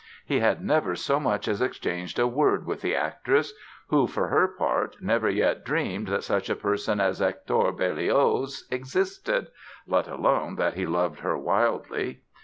He had never so much as exchanged a word with the actress who, for her part, never yet dreamed that such a person as Hector Berlioz existed—let alone that he loved her wildly.